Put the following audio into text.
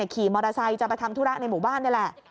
ขี่มอเตอร์ไซค์จะไปทำธุระในหมู่บ้านนี่แหละ